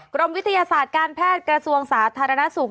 กรมวิทยาศาสตร์การแพทย์กระทรวงสาธารณสุข